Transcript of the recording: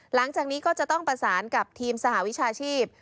หลังจากนี้ก็จะต้องประสานกับทีมสหวิชาชีพ